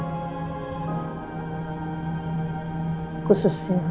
gue ngerasa seperti apa